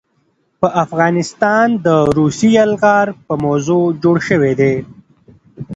په افغانستان د روسي يلغار په موضوع جوړ شوے دے